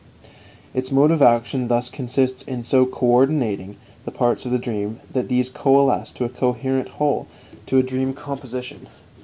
Its mode of action thus consists in so coördinating the parts of the dream that these coalesce to a coherent whole, to a dream composition.